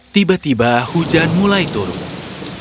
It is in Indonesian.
tiba tiba hujan mulai turun